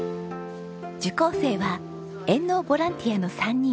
受講生は援農ボランティアの３人。